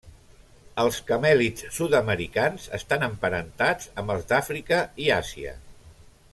Els camèlids sud-americans estan emparentats amb els d'Àfrica i Àsia.